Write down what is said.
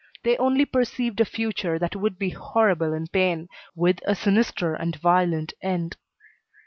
They only perceived a future that would be horrible in pain, with a sinister and violent end.